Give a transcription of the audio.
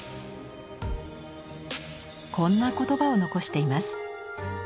こんな言葉を残しています。